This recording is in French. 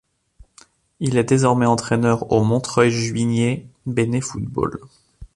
Il est désormais entraîneur au Montreuil-Juigné Béné Football.